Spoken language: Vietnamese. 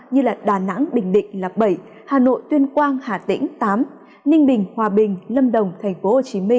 như đà nẵng bình định là bảy hà nội tuyên quang hà tĩnh tám ninh bình hòa bình lâm đồng tp hcm